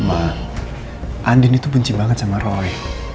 ma andien itu benci banget sama roy